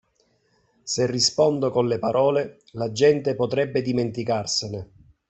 Se rispondo con le parole, la gente potrebbe dimenticarsene.